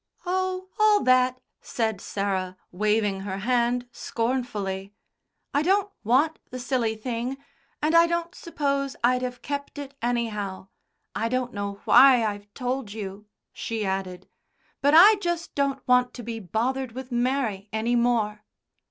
"Oh, all that!" said Sarah, waving her hand scornfully. '"I don't want the silly thing, and I don't suppose I'd have kept it, anyhow. I don't know why I've told you," she added. "But I just don't want to be bothered with Mary any more."